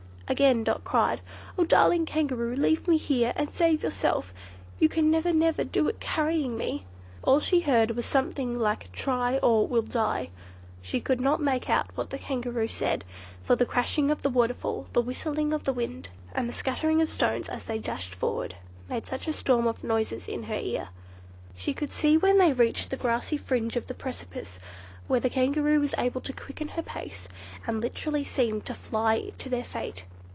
Again Dot cried, "Oh! darling Kangaroo, leave me here, and save yourself. You can never, never do it carrying me!" All she heard was something like "try," or "we'll die." She could not make out what the Kangaroo said, for the crashing of the waterfall, the whistling of the wind, and the scattering of stones as they dashed forward, made such a storm of noises in her ears. She could see when they reached the grassy fringe of the precipice, where the Kangaroo was able to quicken her pace, and literally seemed to fly to their fate.